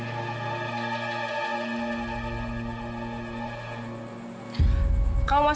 kamu mau masukin apa di dalamnya